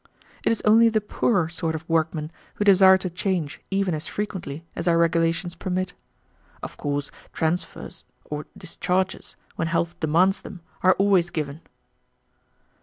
It is only the poorer sort of workmen who desire to change even as frequently as our regulations permit. Of course transfers or discharges, when health demands them, are always given."